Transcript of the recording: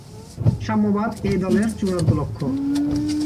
সাম্যবাদ এই দলের চূড়ান্ত লক্ষ্য।